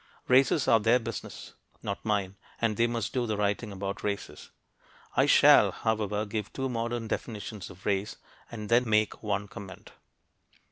Races are their business, not mine, and they must do the writing about races. I shall, however, give two modern definitions of race, and then make one comment.